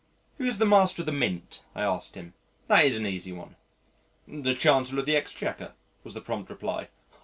"Who's the Master of the Mint?" I asked him. "That is an easy one." "The Chancellor of the Exchequer," was the prompt reply.